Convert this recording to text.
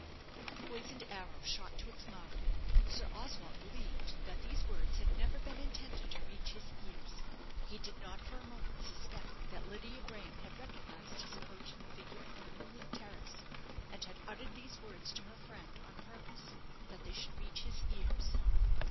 The poisoned arrow shot to its mark. Sir Oswald believed that these words had never been intended to reach his ears. He did not for a moment suspect that Lydia Graham had recognized his approaching figure on the moonlit terrace, and had uttered these words to her friend on purpose that they should reach his ears.